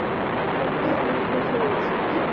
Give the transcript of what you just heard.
সত্যিই আমি ফেঁসে গেছি।